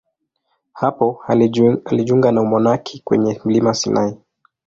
Hapo alijiunga na umonaki kwenye mlima Sinai.